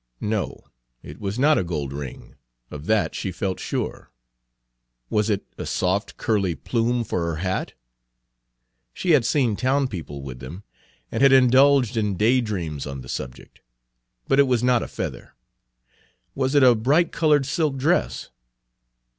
No, it was not a gold ring of that she felt sure. Was it a soft, curly plume for her hat? She had seen town people with them, and had indulged in day dreams on the subject; but it was not a feather. Was it a brightcolored silk dress?